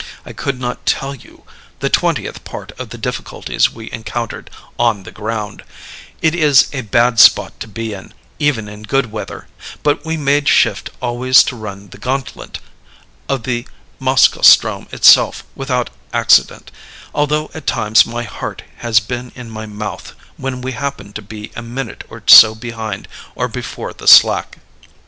"I could not tell you the twentieth part of the difficulties we encountered 'on the ground' it is a bad spot to be in, even in good weather; but we made shift always to run the gantlet of the Moskoe ström itself without accident, although at times my heart has been in my mouth when we happened to be a minute or so behind or before the slack.